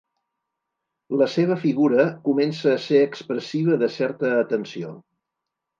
La seva figura comença a ser expressiva de certa atenció.